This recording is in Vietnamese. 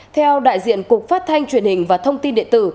theo đại diện cục phát thanh truyền hình và thông tin điện tử